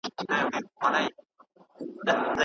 سياست يوازې په دولت پورې تړلی نه دی.